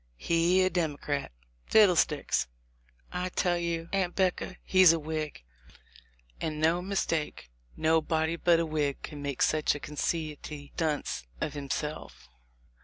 He a Democrat ! Fiddlesticks ! I tell you, Aunt 'Becca, he's a Whig, and no mistake : nobody but a Whig could make such a conceity dunce of himself."